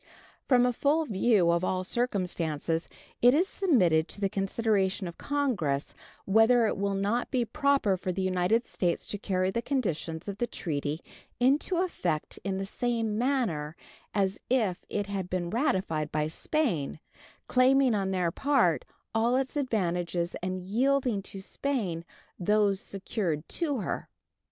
From a full view of all circumstances, it is submitted to the consideration of Congress whether it will not be proper for the United States to carry the conditions of the treaty into effect in the same manner as if it had been ratified by Spain, claiming on their part all its advantages and yielding to Spain those secured to her.